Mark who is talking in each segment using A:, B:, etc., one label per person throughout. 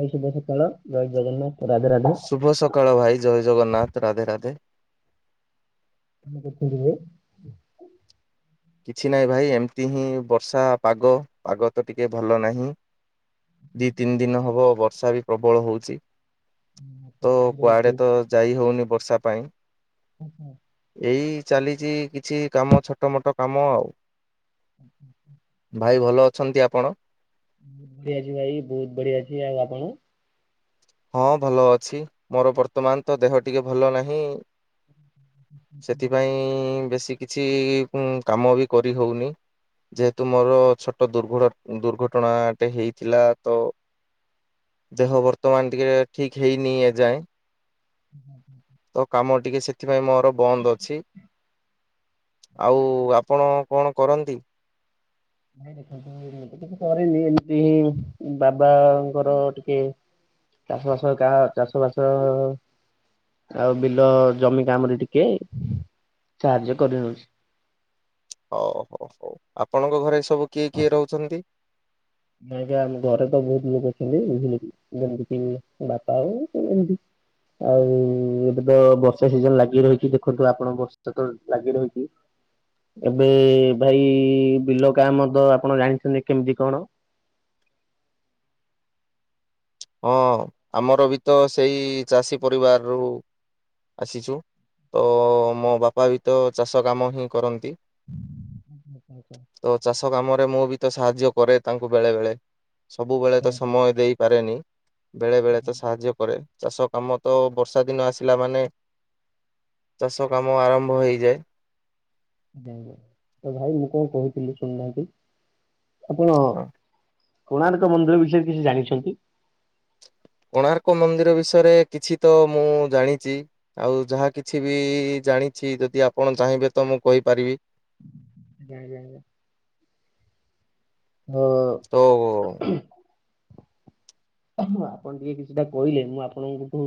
A: ଭାଇ ଶୁଭ ସକାଳ ଜୟ ଜଗନ୍ନାଥ। ରାଧେ ରାଧେ
B: ଶୁଭ ସକାଳ ଭାଇ, ଜୟ ଜଗନ୍ନାଥ, ରାଧେ ରାଧେ।
A: [unintelligible]
B: କିଛି ନାହିଁ ଭାଇ, ଏମିତି ହିଁ ବର୍ଷା ପାଗ, ପାଗ ତ ଟିକେ ଭଲ ନାହିଁ। ଦି ତିନି ଦିନି ହବ, ବର୍ଷା ବି ପ୍ରବଳ ହଉଛି।
A: ମୁଁ
B: ତ
A: ଲାଗି ରହିଛି।
B: କୁଆଡେ ତ ଯାଇ ହଉନି ବର୍ଷା ପାଇଁ?
A: ହୁଁ - ହୁଁ।
B: ଏଇ ଚାଲିଛି କିଛି କାମ, ଛୋଟ ମୋଟ କାମ ଆଉ। ଭାଇ ଭଲ ଅଛନ୍ତି ଆପଣ?
A: ମୁଁ ବି ଆଜି ଭାଇ ବହୁତ ବଢିଆ ଅଛି। ଆଉ ଆପଣ?
B: ହଁ ଭଲ ଅଛି, ମୋର ବର୍ତ୍ତମାନ ତ ଦେହ ଟିକେ ଭଲ ନାହିଁ। ସେଥିପାଇଁ ବେଶୀ କିଛି କାମ ବି କରି ହଉନି। ଯେହେତୁ ମୋର, ଛୋଟ ଦୁର୍ଘ ଦୁର୍ଘଟଣାଟେ ହେଇଥିଲା। ତ ଦେହ ବର୍ତ୍ତମାନ ଟିକେ ଠିକ ହେଇନି ଏଯାଏଁ।
A: ହୁଁ - ହୁଁ।
B: ତ କାମ ଟିକେ ସେଥିପାଇଁ ମୋର ବନ୍ଦ ଅଛି। ଆଉ ଆପଣ କଣ କରନ୍ତି?
A: [unintelligible] କରିନି ଏମିତି ହିଁ ବାବାଙ୍କର ଟିକେ ଚାଷ ବାସ କାହା, ଚାଷ ବାସ ଆଉ ବିଲ ଜମି କାମରେ ଟିକେ, ସାହାଯ୍ୟ କରିନଉଛି।
B: ହଉ ହୋ ହଉ, ଆପଣଙ୍କ ଘରେ ସବୁ କିଏ କିଏ ରହୁଛନ୍ତି?
A: ଆଞା ଆମ ଘରେ ତ ବହୁତ ଲୋକ ଅଛନ୍ତି ବୁଝିଲେ କି, ଯେମତି କି ବାପା ଆଉ ଏମତି ଆଉ ଏବେ ତ ବର୍ଷା ସିଜନ ଲାଗି ରହିଛି, ଦେଖନ୍ତୁ ଆପଣ ବର୍ଷା ତ ଲାଗି ରହିଛି। ଏବେ ଭାଇ ବିଲ କାମ ତ ଆପଣ ଜାଣିଛନ୍ତି, କେମିତି କଣ?
B: ହଁ ଆମର ବି ତ ସେଇ ଚାଷୀ ପରିବାରରୁ ଆସିଛୁ, ତ ମୋ ବାପା ବି ତ ଚାଷ କାମ ହିଁ କରନ୍ତି।
A: ଆଚ୍ଛା ଆଚ୍ଛା।
B: ତ ଚାଷ କାମରେ ମୁଁ ବି ତ, ସାହାଯ୍ୟ କରେ ତାଙ୍କୁ ବେଳେବେଳେ। ସବୁବେଳେ ତ ସମୟ ଦେଇପାରେନି। ବେଳେବେଳେ ତ ସାହାଯ୍ୟ କରେ, ଚାଷ କାମ ତ ବର୍ଷା ଦିନ ଆସିଲା ମାନେ ଚାଷ କାମ ଆରମ୍ଭ ହେଇଯାଏ।
A: ଆଜ୍ଞା ଆଜ୍ଞା ତ ଭାଇ ମୁଁ କଣ କହୁଥିଲି ଶୁଣୁନାହାନ୍ତି? ଆପଣ କୋଣାର୍କ ମନ୍ଦିର ବିଷୟରେ କିଛି ଜାଣିଛନ୍ତି?
B: କୋଣାର୍କ ମନ୍ଦିର ବିଷୟରେ, କିଛି ତ ମୁଁ ଜାଣିଛି। ଆଉ ଯାହା କିଛି ବି ଜାଣିଛି, ଯଦି ଆପଣ ଚାହିଁବେ ତ ମୁଁ କହିପାରିବି।
A: ଆଜ୍ଞା ଆଜ୍ଞା। ହ।
B: ତ
A: ଆପଣ ଟିକେ କିଛିଟା କହିଲେ, ମୁଁ ଆପଣଙ୍କଠୁ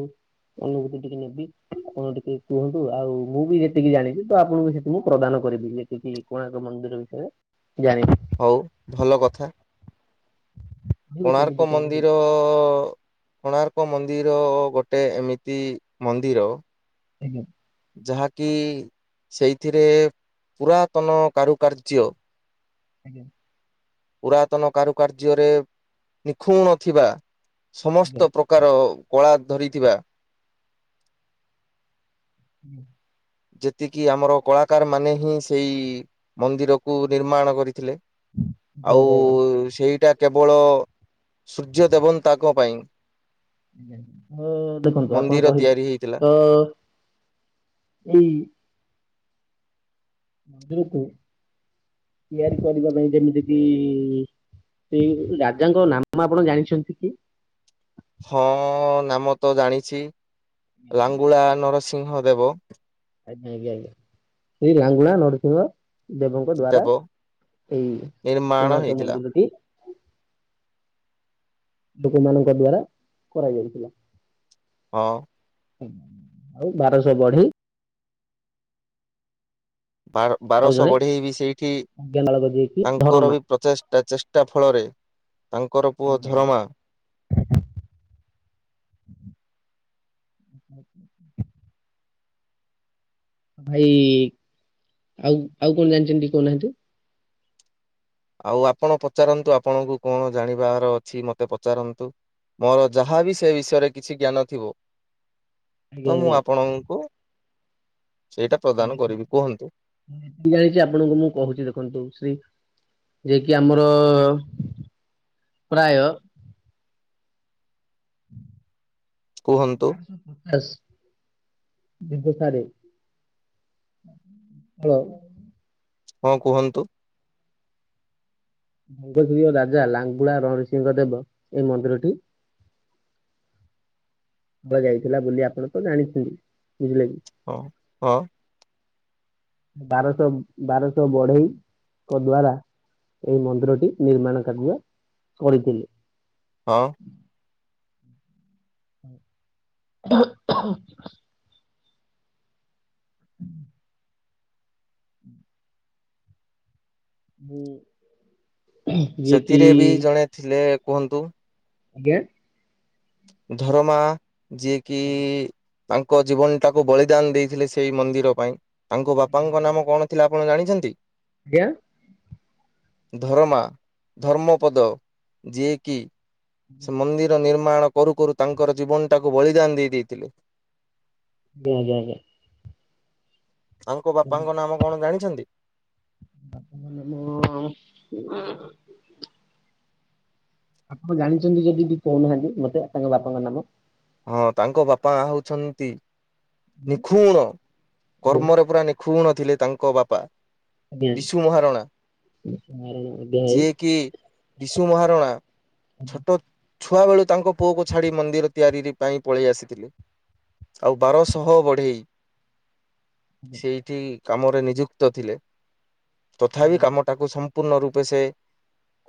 A: ଅନୁଭୂତି ଟିକେ ନେବି। ଆପଣ ଟିକେ କୁହନ୍ତୁ, ଆଉ ମୁଁ ବି ଯେତିକି ଜାଣିଛିି ତ ଆପଣଙ୍କୁ ସେତିକି ମୁଁ ପ୍ରଦାନ କରିବି। ଯେତିକି କୋଣାର୍କ ମନ୍ଦିର ବିଷୟରେ ଜାଣି
B: ହଉ ଭଲ କଥା।
A: କେମିତି
B: କୋଣାର୍କ
A: କଣ
B: ମନ୍ଦିର କୋଣାର୍କ ମନ୍ଦିର ଗୋଟେ, ଏମିତି ମନ୍ଦିର
A: ଆଜ୍ଞା।
B: ଯାହାକି ସେଇଥିରେ ପୁରାତନ କାରୁକାର୍ଯ୍ୟ
A: ଆଜ୍ଞା।
B: ପୁରାତନ କାରୁକାର୍ଯ୍ୟରେ ନିଖୁଣ ଥିବା
A: ଆଜ୍ଞା
B: ସମସ୍ତ ପ୍ରକାର କଳା ଧରିଥିବା
A: ହୁଁ।
B: ଯେତିକି ଆମର କଳାକାର ମାନେ ହିଁ ସେଇ ମନ୍ଦିରକୁ ନିର୍ମାଣ କରିଥିଲେ।
A: ଜୟ
B: ଆଉ
A: ଜଗନ୍ନାଥ।
B: ସେଇଟା କେବଳ ସୂର୍ଯ୍ୟ ଦେବତାଙ୍କ ପାଇଁ।
A: ହଁ ଦେଖନ୍ତୁ ଆପଣ
B: ମନ୍ଦିର
A: କହିଲେ
B: ତିଆରି ହେଇଥିଲା।
A: ତ ଏଇ ମନ୍ଦିରକୁ ତିଆରି କରିବା ପାଇଁ ଯେମିତିକି ସେଇ ରାଜାଙ୍କ ନାମ ଆପଣ ଜାଣିଛନ୍ତି କି?
B: ହଁ ନାମ ତ ଜାଣିଛି ଲାଙ୍ଗୁଳା ନରସିଂହ ଦେବ।
A: ଆଜ୍ଞା ଆଜ୍ଞା ଆଜ୍ଞା ସେଇ ଲାଙ୍ଗୁଳା ନରସିଂହ ଦେବଙ୍କ ଦ୍ଵାରା
B: ଦେବ
A: ଏଇ
B: ନିର୍ମାଣ
A: କୋଣାର୍କ
B: ହେଇଥିଲା
A: ମନ୍ଦିରଟି ଲୋକମାନଙ୍କ ଦ୍ଵାରା କରାଯାଇଥିଲା।
B: ହଁ।
A: ଆଉ ବାରଶହ ବଢେଇ
B: ବାର
A: ଆଉ
B: ବାରଶହ
A: ଜଣେ
B: ବଢେଇ ବି ସେଇଠି
A: ଅଜ୍ଞାମାଳକ ଯିଏକି
B: ତାଙ୍କର
A: ଧରମା
B: ବି ପ୍ରଚେଷ୍ଟା ଚେଷ୍ଟା ତା ଫଳରେ ତାଙ୍କର ପୁଅ
A: ଆଜ୍ଞା ଆଜ୍ଞା।
B: ଧରମା
A: [inaudible] ଭାଇ ଆଉ ଆଉ କଣ ଜାଣିଛନ୍ତି ଟିକେ କହୁନାହାନ୍ତି।
B: ଆଉ ଆପଣ ପଚାରନ୍ତୁ ଆପଣଙ୍କୁ କଣ ଜାଣିବାର ଅଛି ମତେ ପଚାରନ୍ତୁ। ମୋର ଯାହାବି ସେ ବିଷୟରେ କିଛି ଜ୍ଞାନ ଥିବ
A: ଆଜ୍ଞା
B: ତ
A: ଆଜ୍ଞା
B: ମୁଁ ଆପଣଙ୍କୁ ସେଇଟା ପ୍ରଦାନ
A: ଯେତିକି
B: କରିବି କୁହନ୍ତୁ।
A: ଜାଣିଛି ଆପଣଙ୍କୁ ମୁଁ କହୁଛି ଦେଖନ୍ତୁ ଶ୍ରୀ ଯିଏ କିି ଆମର ପ୍ରାୟ
B: କୁହନ୍ତୁ
A: ବାରଶହ ପଚାଶ। ବିନ୍ଧ ଠାରେ [unintelligible]
B: ହଁ କୁହନ୍ତୁ।
A: ଭଙ୍ଗଶ ରାଜା ଲାଙ୍ଗୁଳା ରଣସିଂଙ୍କ ଦେବ ଏଇ ମନ୍ଦିରଟି ସୁଭା ଯାଇଥିଲା ବୋଲି ଆପଣ ତ ଜାଣିଛନ୍ତି ବୁଝିଲେ କି।
B: ହଁ ହଁ।
A: ବାରଶହ ବାରଶହ ବଢେଇଙ୍କ ଦ୍ଵାରା ଏଇ ମନ୍ଦିରଟି ନିର୍ମାଣ କାର୍ଯ୍ୟ କରିଥିଲେ।
B: ହଁ।
A: ଉର୍ହୁ ହୁଁ। ହୁଁ।
B: ସେଥିରେ ବି ଜଣେ ଥିଲେ କୁହନ୍ତୁ।
A: ଆଜ୍ଞା।
B: ଧରମା ଯିଏକି
A: ଆଜ୍ଞା
B: ତାଙ୍କ ଜୀବନ ଟାକୁ ବଳିଦାନ ଦେଇଥିଲେ ସେଇ ମନ୍ଦିର ପାଇଁ ତାଙ୍କ ବାପାଙ୍କ ନାମ କଣ ଥିଲା ଆପଣ ଜାଣିଛନ୍ତି।
A: ଆଜ୍ଞା।
B: ଧରମା ଧର୍ମପଦ ଯିଏକି ସେ ମନ୍ଦିର ନିର୍ମାଣ କରୁ କରୁ ତାଙ୍କର ଜୀବନଟାକୁ ବଳିଦାନ ଦେଇ ଦେଇଥିଲେ।
A: ଆଜ୍ଞା ଆଜ୍ଞା।
B: ତାଙ୍କ ବାପାଙ୍କ ନାମ କଣ ଜାଣିଛନ୍ତି?
A: ବାପା ଙ୍କ ମାନ ଉଁ ଆପଣ ଜାଣିଛନ୍ତି ଯଦି ବି କହୁନାହାନ୍ତି ମତେ ତାଙ୍କ ବାପାଙ୍କ ନାମ।
B: ହଁ ତାଙ୍କ ବାପା ହଉଛନ୍ତି ନିଖୁଣ
A: ଆଜ୍ଞା
B: କର୍ମରେ ପୁରା ନିଖୁଣ ଥିଲେ ତାଙ୍କ ବାପା।
A: ଆଜ୍ଞା
B: ବିଶୁ ମହାରଣା। ଯିଏକି ବିଶୁ ମହାରଣା
A: ଆଜ୍ଞା
B: ଛୋଟ ଛୁଆ ବେଳୁ ତାଙ୍କ ପୁଅକୁ ଛାଡି ମନ୍ଦିର ତିଆରି ପାଇଁ ପଳେଇ ଆସିଥିଲେ ଆଉ ବାରଶହ ସହ ବଢେଇ ସେଇଠି କାମରେ ନିଯୁକ୍ତ ଥିଲେ।
A: ଆଜ୍ଞା
B: ତଥାପି
A: ଆଜ୍ଞା
B: କାମଟାକୁ ସମ୍ ସମ୍ପୂର୍ଣ ରୂପେ ସେ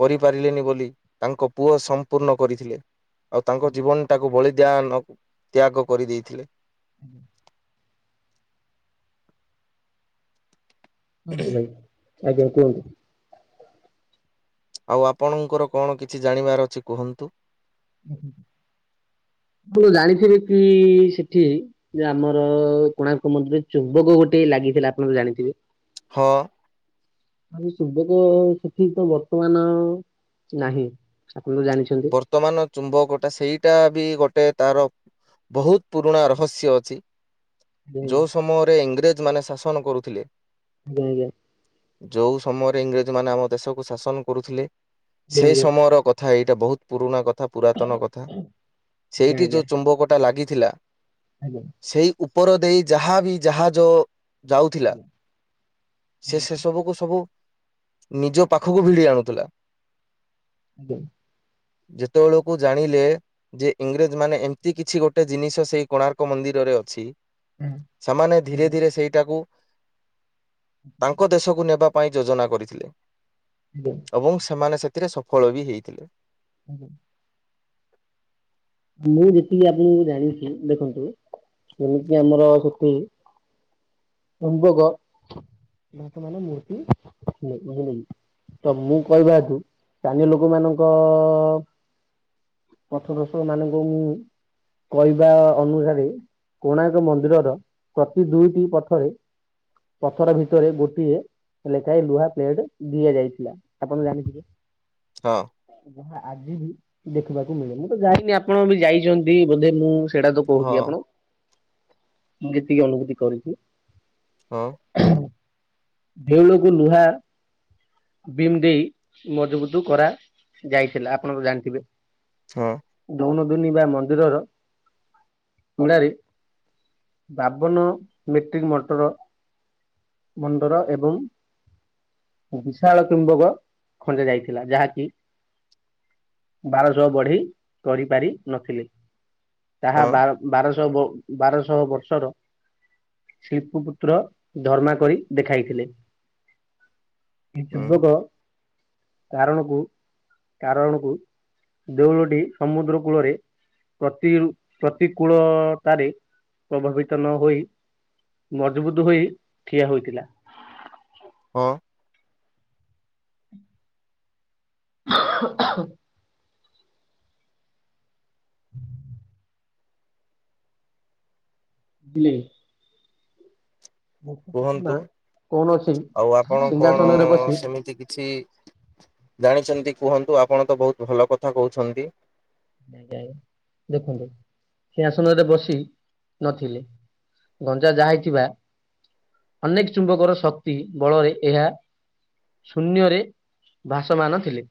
B: କରିପାରିଲେନି ବୋଲି ତାଙ୍କ ପୁଅ ସମ୍ପୂର୍ଣ୍ଣ କରିଥିଲେ। ଆଉ ତାଙ୍କ ଜୀବନ ଟାକୁ ଭଳି ଦ୍ୟାନ ତ୍ୟାଗ କରିଦେଇଥିଲେ।
A: ହୁଁ। [unintelligible] ଭାଇ ଆଜ୍ଞା କୁହନ୍ତୁ।
B: ଆଉ ଆପଣଙ୍କର କଣ କିଛି ଜାଣିବାର ଅଛି କୁହନ୍ତୁ?
A: ଆପଣ ଜାଣିଥିବେ କି ସେଠି ଯେ ଆମର କୋଣାର୍କ ମନ୍ଦିରରେ ଚୁମ୍ବକ ଗୋଟେ ଲାଗିଥିଲା ଆପଣ ତ ଜାଣିଥିବେ?
B: ହଁ।
A: ଆ ଚୁମ୍ବକ ସେଠି ତ ବର୍ତ୍ତମାନ ନାହିଁ ଆପଣ ଜାଣିଚନ୍ତି?
B: ବର୍ତ୍ତମାନ ଚୁମ୍ବକଟା ସେଇଟା ବି ଗୋଟେ ତାର ବହୁତ ପୁରୁଣା ରହସ୍ୟ ଅଛି।
A: ଆଜ୍ଞା
B: ଯେଉଁ ସମୟରେ ଇଂରେଜମାନେ ଶାସନ କରୁଥିଲେ।
A: ଆଜ୍ଞା।
B: ଯୋଉଁ ସମୟରେ ଇଂରେଜ ମାନ ଆମ ଦେଶକୁ ଶାସନ କରୁଥିଲେ ସେ
A: ଆଜ୍ଞା।
B: ସମୟର କଥା କଥା ଏଇଟା ବହୁତ ପୁରୁଣା କଥା ପୁରାତନ କଥା
A: ଆଜ୍ଞା ଆଜ୍ଞା ଆଜ୍ଞା ଆଜ୍ଞା
B: ସେଇଠି
A: ଆଜ୍ଞା
B: ଯୋଉଁ ଚୁମ୍ବକଟା ଲାଗିଥିଲା
A: ଆଜ୍ଞା।
B: ସେଇ ଉପର ଦେଇ ଯାହା ବି ଜାହାଜ ଯାଉଥିଲା ସେ
A: ଆଜ୍ଞା
B: ସେ ସବୁକୁ ସବୁ ନିଜ ପାଖକୁ ଭିଡି ଆଣୁଥିଲା।
A: ଆଜ୍ଞା।
B: ଯେତେବେଳକୁ ଜାଣିଲେ ଯେ ଇଂରେଜ ମାନେ ଏମିତି କିଛି ଗୋଟେ ଜିନିଷ ସେଇ କୋଣାର୍କ ମନ୍ଦିରରେ ଅଛି। ସେମାନେ ଧୀରେ
A: ଆଜ୍ଞା।
B: ଧୀରେ ସେଇଟାକୁ ତାଙ୍କ ଦେଶକୁ ନେବା ପାଇଁ ଯୋଜନା କରିଥିଲେ।
A: [unintelligible]
B: ଏବଂ ସେମାନେ ସେଥିରେ ସଫଳ ବି ହେଇଥିଲେ।
A: ଆଜ୍ଞା। ମୁଁ ଯେତିକି ଆପଣଙ୍କୁ ଜାଣିଛି ଦେଖନ୍ତୁ ଯେମିତିି ଆମର ସେଠି ଚୁମ୍ବକ [unintelligible] ମୂର୍ତ୍ତିି। [unintelligible] ତ ମୁଁ କହିବା ତୁ ସ୍ଥାନୀୟ ଲୋକ ମାନଙ୍କ ପଥ ମାନଙ୍କୁ ମୁଁ କହିବା ଅନୁସାରେ କୋଣାର୍କ ମନ୍ଦିରର ପ୍ରତି ଦୁଇଟି ପାଖରେ ପଥର ଭିତରେ ଗୋଟିଏ ଲେଖାଏ ଲୁହା ପ୍ଲେଟ ଦିଆଯାଇଥିଲା ଆପଣ ଜାଣିଥିବେ?
B: ତ
A: ଯାହା ଆଜି ବି ଦେଖିବାକୁ ମିଳେ ମୁଁ ତ ଯାଇନି ଆପଣ ବି ଯାଇଛନ୍ତି ବୋଧେ ମୁଁ ସେଇଟା କୁ
B: ହଁ
A: କହୁଚି ଆପଣ ମୁଁ ଯେତିକି ଅନୁଭୂତି କରିଚି।
B: ହଁ।
A: ଦେଉଳକୁ ଲୁହା ବିମ୍ ଦେଇ ମଜବୁତ କରା ଯାଇଥିଲା ଆପଣ ବି ଜାଣିଥିବେ?
B: ତ
A: ଦୌନ ଦୁନି ବା ମନ୍ଦିରର [unintelligible] ବାବନ ମେଟ୍ରିକ ମଟର ମୁଣ୍ଡର ଏବଂ ବିଶାଳ କିମ୍ବକ ଖଞ୍ଜା ଯାଇଥିଲା ଯାହାକି ବାରଶହ ବଢେଇ କରିପାରି ନଥିଲେ ତାହା
B: ହଁ
A: ବାର ବାରଶହ ବ ବାରଶହ ବର୍ଷର ଶିଳ୍ପପୁତ୍ର ଧର୍ମା କରି ଦେଖାଇଥିଲେ। ଏ
B: ହଁ
A: ଚୁମ୍ବକ କାରଣକୁ କାରଣକୁ, ଦେଉଳଟି ସମୁଦ୍ର କୂଳରେ ପ୍ରତି-ପ୍ରତିକୂଳତାରେ, ପ୍ରଭାବିତ ନ ହୋଇ ମଜବୁତ୍ ହୋଇ ଠିଆ ହୋଇଥିଲା।
B: ହଁ।
A: [unintelligible] [inaudible] ବିଲେଇ। କି
B: କୁହନ୍ତୁ?
A: କୌଣସି
B: ଆଉ ଆପଣ କଣ
A: ସିଂହାସନରେ
B: ସେମିତି କିଛି ଜାଣିଛନ୍ତି କୁହନ୍ତୁ? ଆପଣ ତ ବହୁତ ଭଲ କଥା କହୁଛନ୍ତି।
A: ଆଜ୍ଞା ଆଜ୍ଞା। ଦେଖନ୍ତୁ ସେ ଆସନରେ ବସି ନଥିଲେ। ଗଞ୍ଜା ଯାହା ହେଇଥିବା ଅନେକ୍ ଚୁମ୍ବକର ଶକ୍ତି ବଳରେ, ଏହା ଶୂନ୍ୟରେ ଭାସମାନ ଥିଲେ।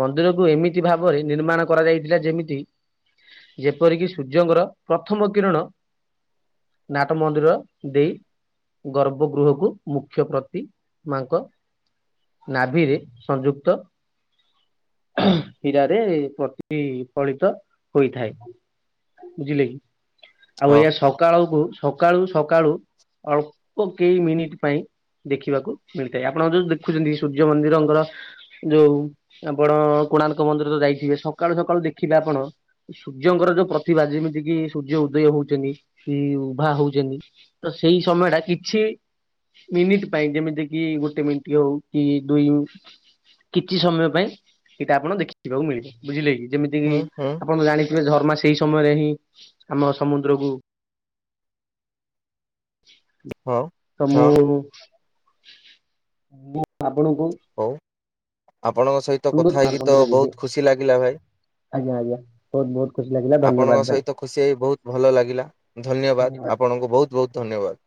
A: ମନ୍ଦିରକୁ ଏମିତି ଭାବରେ ନିର୍ମାଣ କରାଯାଇଥିଲା। ଯେମିତି ଯେପରିକି ସୂର୍ଯ୍ୟଙ୍କର ପ୍ରଥମ କିରଣ ନାଟ ମନ୍ଦିର ଦେଇ ଗର୍ଭ ଗୃହକୁ ମୁଖ୍ୟ ପ୍ରତି ମାଙ୍କ ନାଭିରେ ସଂଯୁକ୍ତ [unintelligible] ହୀରାରେ ପ୍ରତି ବିଫଳିତ ହୋଇଥାଏ। ବୁଝିଲେ କି? ଆଉ
B: ହଁ
A: ଏହା ସକାଳକୁ-ସକାଳୁ-ସକାଳୁ ଅଳ୍ପ କେଇ ମିନିଟ୍ ପାଇଁ ଦେଖିବାକୁ ମିଳିଥାଏ। ଆପଣ ଯୋଉ ଦେଖୁଛନ୍ତି ସୂର୍ଯ୍ୟ ମନ୍ଦିରଙ୍କର ଯୋଉ ଆପଣ କୋଣାର୍କ ମନ୍ଦିର ତ ଯାଇଥିବେ? ସକାଳୁ ସକାଳୁ ଦେଖିବେ ଆପଣ ଏ ସୂର୍ଯ୍ୟଙ୍କର ଯୋଉ ପ୍ରତିଭା। ଯିମିତି କିି ସୂର୍ଯ୍ୟ ଉଦୟ ହଉଛନ୍ତି କି ଉଭା ହଉଛନ୍ତି। ତ ସେଇ ସମୟଟା କିଛି ମିନିଟ୍ ପାଇଁ। ଯେମିତି କି ଗୋଟେ ମିଣ୍ଟି ହଉ କି ଦୁଇ କିଛି ସମୟ ପାଇଁ ଏଇଟା ଆପଣ ଦେଖିବାକୁ ମିଳିବ। ବୁଝିଲେ କି, ଯେମିତି କି
B: ହୁଁ ହୁଁ
A: ଆପଣ ଜାଣି ଏ ଧର୍ମା ସେଇ ସମୟରେ ହିଁ ଆମ ସମୁଦ୍ରକୁ
B: ହଁ।
A: ତ
B: ହଁ
A: ମୁଁ, ମୁଁ ଆପଣଙ୍କୁ
B: ହଉ ଆପଣଙ୍କ ସହିତ କଥା
A: ଅନୁରୋଧ
B: ହେଇକି ତ
A: କରନ୍ତୁ ଯିବେ
B: ବହୁତ ଖୁସି ଲାଗିଲା ଭାଇ।
A: ଆଜ୍ଞା ଆଜ୍ଞା ବହୁତ ବହୁତ ଖୁସି ଲାଗିଲା
B: ଆପଣଙ୍କ
A: ଧନ୍ୟବାଦ ଭାଇ
B: ସହିତ ଖୁସି ହେଇ ବହୁତ ଭଲ ଲାଗିଲା। ଧନ୍ୟବାଦ ଆପଣଙ୍କୁ ବହୁତ ବହୁତ ଧନ୍ୟବାଦ।